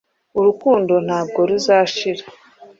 Urukundo ntabwo ruzashira.